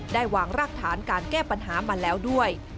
วางรากฐานการแก้ปัญหามาแล้วด้วย